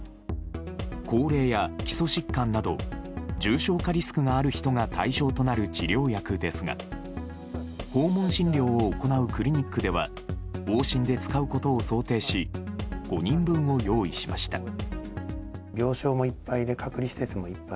高齢や基礎疾患など重症化リスクのある人が対象となる治療薬ですが訪問診療を行うクリニックでは往診で使うことを想定し５人分を用意しました。